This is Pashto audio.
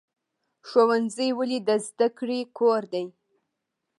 ښوونځی ولې د زده کړې کور دی؟